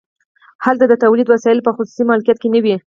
هلته د تولید وسایل په خصوصي مالکیت کې نه وي